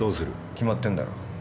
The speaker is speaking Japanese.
決まってんだろ。